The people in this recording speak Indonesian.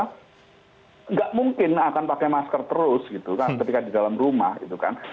tidak mungkin akan pakai masker terus gitu kan ketika di dalam rumah gitu kan